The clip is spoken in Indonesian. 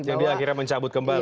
jadi akhirnya mencabut kembali